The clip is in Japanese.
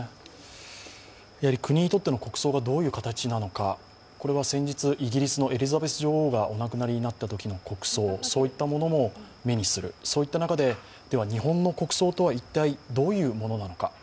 国にとっての国葬がどういう形なのか、これは先日、イギリスのエリザベス女王がお亡くなりになったときの国葬、そういったものも目にする、そういった中で、では日本の国葬とは一体どういうものなのか。